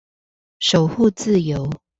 守護自由